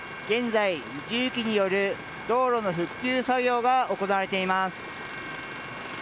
現在、重機による道路の復旧作業が行われています。